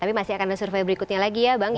tapi masih akan ada survei berikutnya lagi ya bang